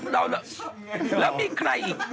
แล้วมีใครอีก